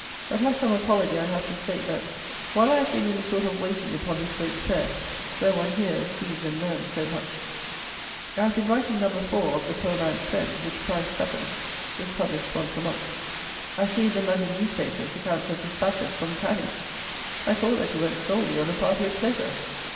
But, as some apology, I have to state, that, while I have been in a sort of waiting upon this great fair, where one hears, sees, and learns so much, I have been writing No. IV. of the "Poor Man's Friend," which, price twopence, is published once a month. I see, in the London newspapers, accounts of dispatches from Canning! I thought that he went solely "on a party of pleasure!"